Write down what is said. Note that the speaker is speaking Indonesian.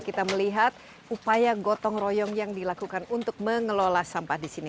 kita melihat upaya gotong royong yang dilakukan untuk mengelola sampah di sini